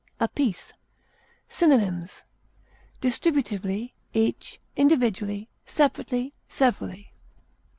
APIECE. Synonyms: distributively, each, individually, separately, severally.